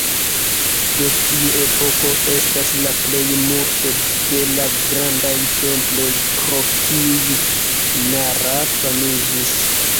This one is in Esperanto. De tiu epoko estas la plejmulto de la grandaj temploj pro kiuj Nara famiĝis.